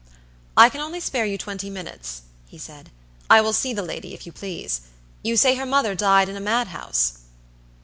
"I can only spare you twenty minutes," he said. "I will see the lady, if you please. You say her mother died in a madhouse?"